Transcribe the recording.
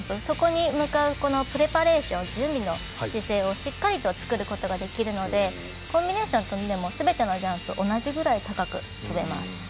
そこにプレパレーション準備の姿勢をしっかりと作ることができるのでコンビネーションを入れてもすべてのジャンプを同じくらい高く跳べます。